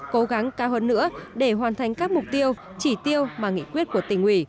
cố gắng cao hơn nữa để hoàn thành các mục tiêu chỉ tiêu mà nghị quyết của tỉnh ủy